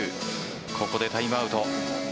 ここでタイムアウト。